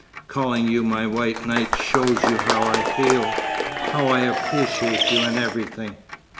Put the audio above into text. Calling you my 'White Knight' shows you how I feel how I appreciate you and everything.